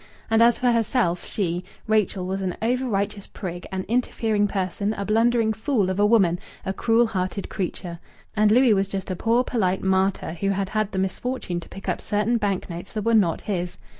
And as for herself, she, Rachel, was an over righteous prig, an interfering person, a blundering fool of a woman, a cruel hearted creature. And Louis was just a poor, polite martyr who had had the misfortune to pick up certain bank notes that were not his.